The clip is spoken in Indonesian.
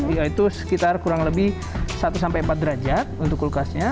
yaitu sekitar kurang lebih satu empat derajat untuk kulkasnya